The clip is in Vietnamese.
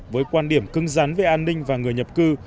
với quan điểm cưng rắn về an ninh và người nhập cư